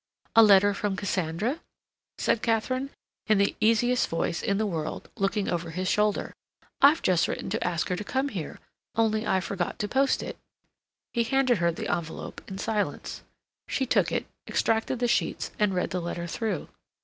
"A letter from Cassandra?" said Katharine, in the easiest voice in the world, looking over his shoulder. "I've just written to ask her to come here, only I forgot to post it." He handed her the envelope in silence. She took it, extracted the sheets, and read the letter through.